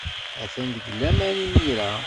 Atan deg laman imir-a.